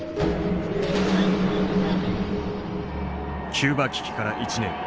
キューバ危機から１年。